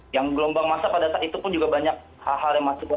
yang gelombang masa pada saat itu pun juga banyak hal hal yang masuk